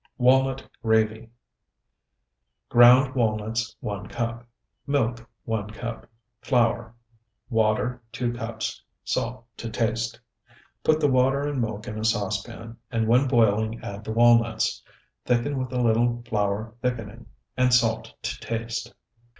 WALNUT GRAVY Ground walnuts, 1 cup. Milk, 1 cup. Flour. Water, 2 cups. Salt to taste. Put the water and milk in a saucepan, and when boiling add the walnuts. Thicken with a little flour thickening, and salt to taste.